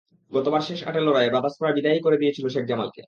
গতবার শেষ আটের লড়াইয়ে ব্রাদার্স প্রায় বিদায়ই করে দিয়েছিল শেখ জামালকে।